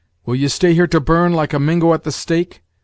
will ye stay here to burn, like a Mingo at the stake?